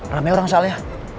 ramai orang salah ya